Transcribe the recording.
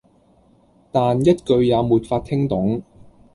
但一句也沒法聽懂